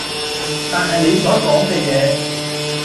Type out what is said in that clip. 但係你所講嘅嘢